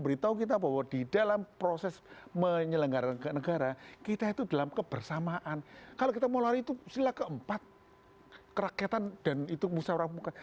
jadi tahu kita bahwa di dalam proses menyelenggarakan negara kita itu dalam kebersamaan kalau kita mau lari itu silah keempat kerakyatan dan itu mustahil ramukan